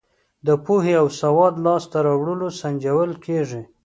د پوهې او سواد لاس ته راوړل سنجول کیږي.